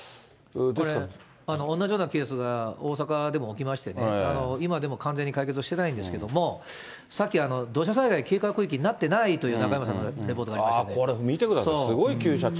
同じようなケースが大阪でも起きましてね、今でも完全に解決はしてないんですけれども、さっき土砂災害警戒区域になってないっていう中山さんのレポートああ、これ見てください、すごい傾斜地だ。